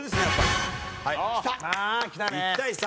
１対３。